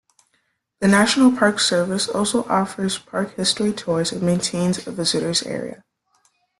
The National Park Service also offers park history tours and maintains a visitors area.